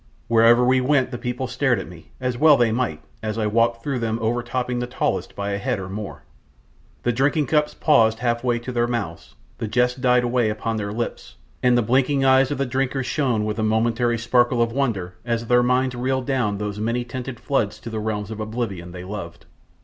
Wherever we went the people stared at me, as well they might, as I walked through them overtopping the tallest by a head or more. The drinking cups paused half way to their mouths; the jests died away upon their lips; and the blinking eyes of the drinkers shone with a momentary sparkle of wonder as their minds reeled down those many tinted floods to the realms of oblivion they loved.